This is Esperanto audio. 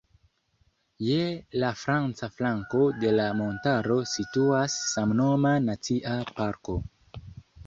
Je la franca flanko de la montaro situas samnoma Nacia Parko.